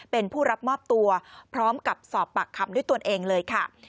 เป็นผู้รับมอบตัวพร้อมกับสอบปากคำด้วยตัวเองเลยค่ะ